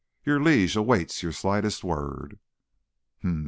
Your liege awaits your slightest word."